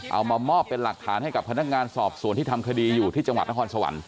เอามามอบเป็นหลักฐานให้กับพนักงานสอบสวนที่ทำคดีอยู่ที่จังหวัดนครสวรรค์